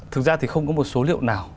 thực ra thì không có một số liệu nào